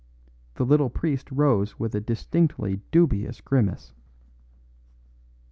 The little priest rose with a distinctly dubious grimace.